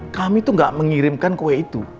kami tuh gak mengirimkan kue itu